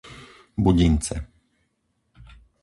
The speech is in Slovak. Budince